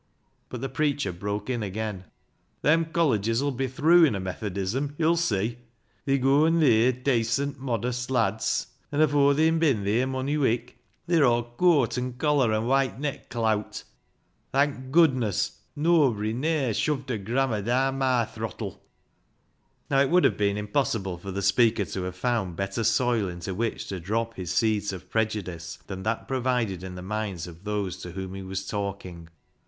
But the preacher broke in again — "Them colleges 'ull be th' ruin o' Methodism, yo'll see. They goon theer dacent, modest lads, an' afoor they'n bin theer mony wik they're aw cooat and collar and white neck clout. Thank goodness ! noabry ne'er shoved a grammar daan my throttle." Now, it would have been impossible for the speaker to have found better soil into which to drop his seeds of prejudice than that provided in the minds of those to whom he was talking.